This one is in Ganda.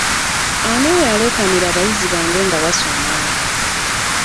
Ani oyo aleekaanira abayizi bange nga basoma?